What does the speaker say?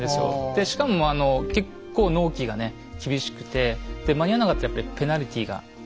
でしかも結構納期がね厳しくて間に合わなかったらやっぱりペナルティーがあるので。